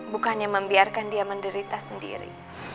bukannya membiarkan dia menderita sendiri